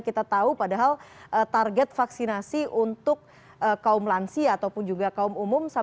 kita tahu padahal target vaksinasi untuk kaum lansia ataupun juga kaum umum